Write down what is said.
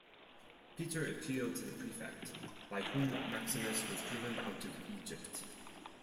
Peter appealed to the prefect, by whom Maximus was driven out of Egypt.